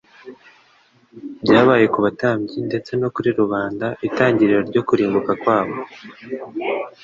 byabaye ku batambyi ndetse no kuri rubanda itangiriro ryo kurimbuka kwabo.